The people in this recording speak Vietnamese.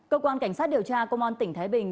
cơ quan cảnh sát điều tra công an tỉnh thái bình